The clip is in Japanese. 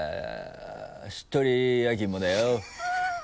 しっとり焼き芋だよ。